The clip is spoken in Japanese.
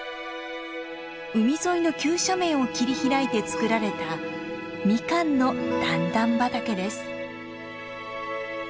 海沿いの急斜面を切り開いて作られたミカンの段々畑です。